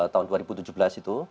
tahun dua ribu tujuh belas itu